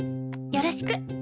よろしく。